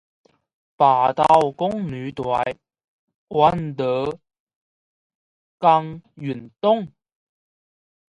白头宫女在，闲坐说玄宗。